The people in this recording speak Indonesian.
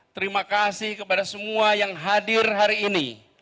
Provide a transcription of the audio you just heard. terima kasih kepada semua yang hadir hari ini